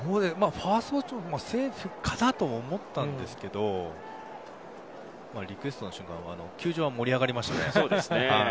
セーフかなと思ったんですけどリクエストの瞬間球場は盛り上がりましたね。